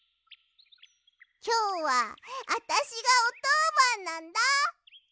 きょうはあたしがおとうばんなんだ。